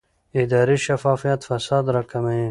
اداري شفافیت فساد راکموي